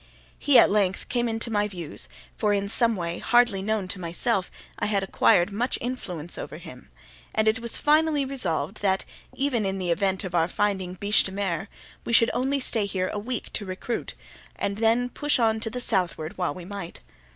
He at length came into my views (for in some way, hardly known to myself, I had acquired much influence over him), and it was finally resolved that, even in the event of our finding biche de mer, we should only stay here a week to recruit, and then push on to the southward while we might.